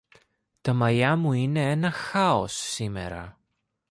Τα μαλλιά μου είναι ένα χάος σήμερα.